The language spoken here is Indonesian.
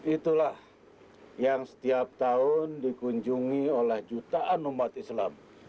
itulah yang setiap tahun dikunjungi oleh jutaan umat islam